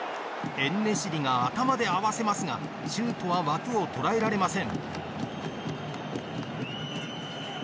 エンネシリが頭で合わせますがシュートは枠を捉えられません。